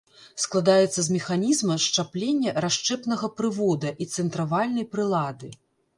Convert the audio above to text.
Складаецца з механізма счаплення расчэпнага прывода і цэнтравальнай прылады.